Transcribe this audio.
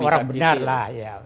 iya orang benar lah